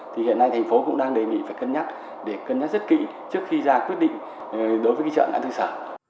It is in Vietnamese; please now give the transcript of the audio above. thì hiện nay thành phố cũng đang đề nghị phải cân nhắc để cân nhắc rất kỹ trước khi ra quyết định đối với cái chợ ngã tư sở